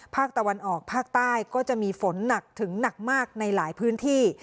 ภาคตะวันออกภาคใต้ก็จะมีฝนหนักถึงหนักมากในหลายพื้นที่